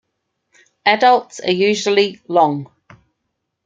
Adults are usually long.